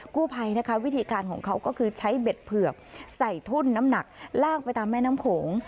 กู้ภัยนะคะวิธีการของเขาก็คือใช้เบ็ดเผือกใส่ทุ่นน้ำหนักลากไปตามแม่น้ำโขง